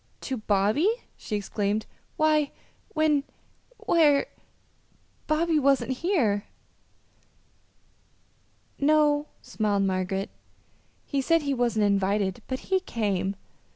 "To Bobby!" she exclaimed. "Why, when where Bobby wasn't here." "No," smiled Margaret. "He said he wasn't invited, but he came.